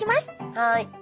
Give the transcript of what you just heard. はい。